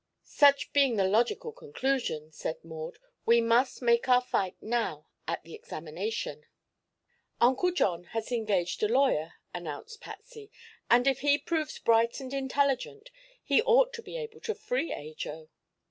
"Such being the logical conclusion," said Maud, "we must make our fight now, at the examination." "Uncle John has engaged a lawyer," announced Patsy, "and if he proves bright and intelligent he ought to be able to free Ajo."